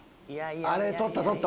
あれ取った取った。